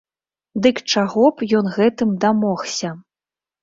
Дык чаго б ён гэтым дамогся?